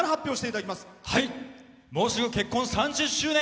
もうすぐ結婚３０周年。